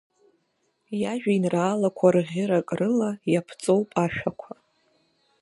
Иажәеинраалақәа рӷьырак рыла иаԥҵоуп ашәақәа.